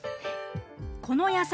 この野菜